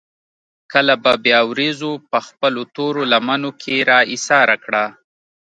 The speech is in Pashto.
کله به بيا وريځو پۀ خپلو تورو لمنو کښې را ايساره کړه ـ